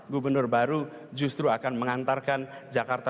gubernur baru justru akan mengantarkan jakarta